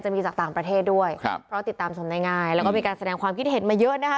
มีจากต่างประเทศด้วยครับเพราะติดตามชมได้ง่ายแล้วก็มีการแสดงความคิดเห็นมาเยอะนะคะ